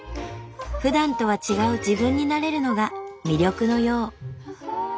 ふだんとは違う自分になれるのが魅力のよう。